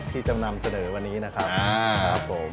ที่เจ้ามนำเสนอวันนี้นะครับ